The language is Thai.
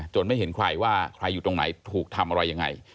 ไม่เห็นใครว่าใครอยู่ตรงไหนถูกทำอะไรยังไง